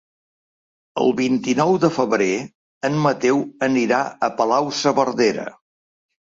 El vint-i-nou de febrer en Mateu anirà a Palau-saverdera.